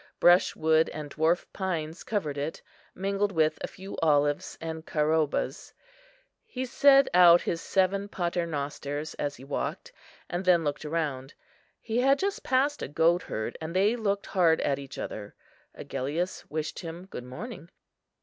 Brushwood and dwarf pines covered it, mingled with a few olives and caroubas. He said out his seven pater nosters as he walked, and then looked around. He had just passed a goatherd, and they looked hard at each other. Agellius wished him good morning.